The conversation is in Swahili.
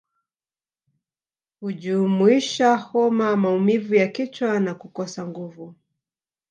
Hujumuisha homa maumivu ya kichwa na kukosa nguvu